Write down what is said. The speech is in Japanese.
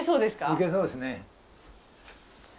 いけそうですね。